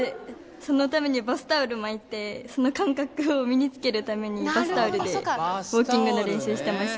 そのためにバスタオル巻いてその感覚を身につけるためにバスタオルでウォーキングの練習してました。